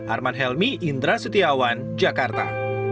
arman helmi indra setiawan jakarta